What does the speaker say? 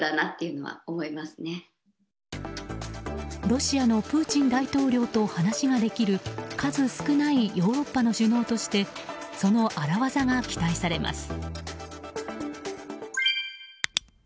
ロシアのプーチン大統領と話ができる数少ないヨーロッパの首脳としてその荒技が期待されます。